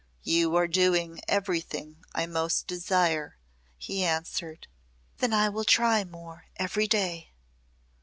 "You are doing everything I most desire," he answered. "Then I will try more every day."